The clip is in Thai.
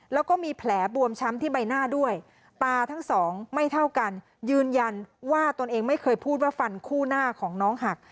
แล้วก็มีแผลบวมช้ำที่ใบหน้าด้วยตาทั้งสองไม่เท่ากันยืนยันว่าตนเองไม่เคยพูดว่าฟันคู่หน้าของน้องหัก